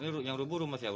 ini yang rubuh rumah siapa